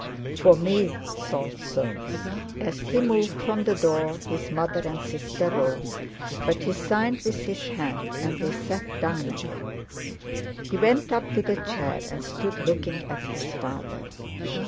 "For me!" thought Soames. As he moved from the door his mother and sister rose, but he signed with his hand and they sat down again. He went up to the chair and stood looking at his father.